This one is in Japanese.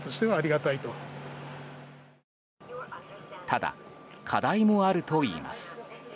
ただ、課題もあるといいます。